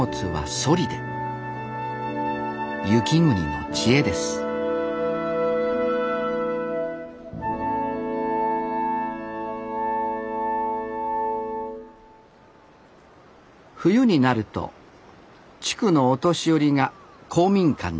冬になると地区のお年寄りが公民館に集まります